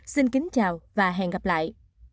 xin kính chào và hẹn gặp lại